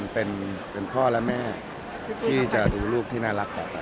เป็นพ่อและแม่ที่จะดูลูกที่น่ารักต่อไป